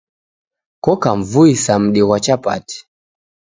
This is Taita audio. Koka mvui sa mudi ghwa chapati